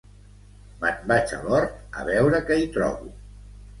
Me'n vaig a l'hort a veure què hi trobo